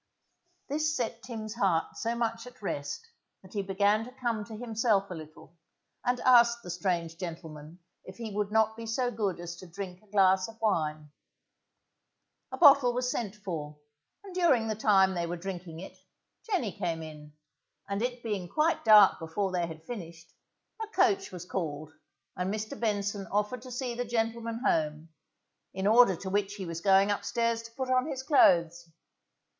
_ This set Tim's heart so much at rest that he began to come to himself a little, and asked the strange gentleman if he would not be so good as to drink a glass of wine. A bottle was sent for, and during the time they were drinking it, Jenny came in, and it being quite dark before they had finished it, a coach was called, and Mr. Benson offered to see the gentleman home, in order to which he was going upstairs to put on his clothes.